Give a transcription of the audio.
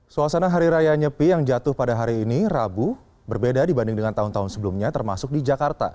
suasana hari raya nyepi yang jatuh pada hari ini rabu berbeda dibanding dengan tahun tahun sebelumnya termasuk di jakarta